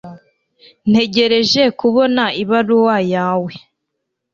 ntegereje kubona ibaruwa yawe